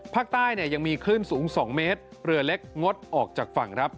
ภาคใต้ยังมีขึ้นสูง๒เมตรเหลือเล็กงดออกจากฝั่ง